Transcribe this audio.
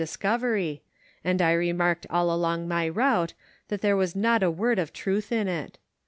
223 discovery, and I remarked nil nlonp my route thnt tlioro wns not a word of tnith in it.